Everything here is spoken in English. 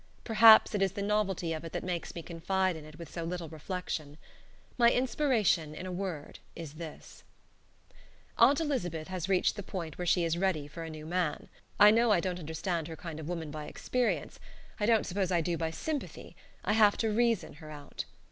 Perhaps it is the novelty of it that makes me confide in it with so little reflection. My inspiration, in a word, is this: Aunt Elizabeth has reached the point where she is ready for a new man. I know I don't understand her kind of woman by experience. I don't suppose I do by sympathy. I have to reason her out.